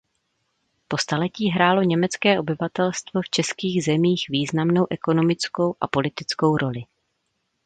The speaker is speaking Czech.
Po staletí hrálo německé obyvatelstvo v českých zemích významnou ekonomickou a politickou roli.